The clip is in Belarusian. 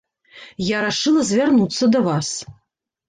Я рашыла звярнуцца да вас.